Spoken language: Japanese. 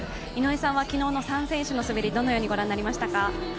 井上さんは昨日の３選手の滑り、どのように御覧になりましたか？